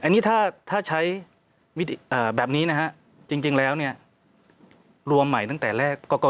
อันนี้ถ้าใช้แบบนี้นะฮะจริงแล้วเนี่ยรวมใหม่ตั้งแต่แรก